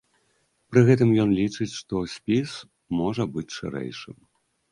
Пры гэтым ён лічыць, што спіс можа быць шырэйшым.